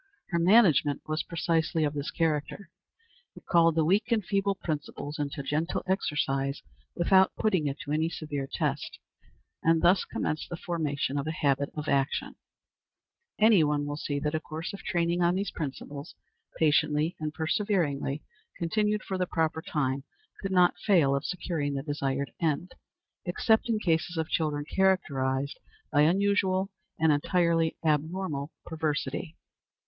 Her management was precisely of this character. It called the weak and feeble principle into gentle exercise, without putting it to any severe test, and thus commenced the formation of a habit of action. Any one will see that a course of training on these principles, patiently and perseveringly continued for the proper time, could not fail of securing the desired end, except in cases of children characterized by unusual and entirely abnormal perversity.